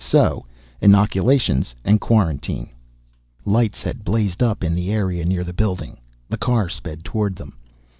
So inoculations and quarantine." Lights had blazed up in the area near the building. The car sped toward them.